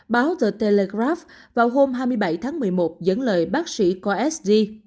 báo the telegraph vào hôm hai mươi bảy tháng một mươi một dẫn lời bác sĩ khoa s d